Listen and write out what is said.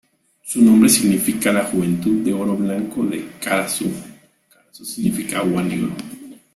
Su nombre significa la juventud de oro blanco de Kara-Suu, Kara-Suu significa agua negro.